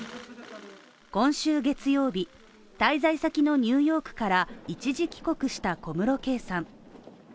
今週月曜日、滞在先のニューヨークから一時帰国した小室圭さん。